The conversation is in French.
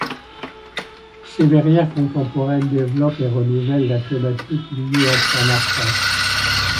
Ces verrières contemporaines développent et renouvellent la thématique liée à saint Martin.